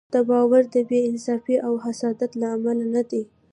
دا باور د بې انصافۍ او حسادت له امله نه دی.